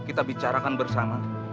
kita bicarakan bersama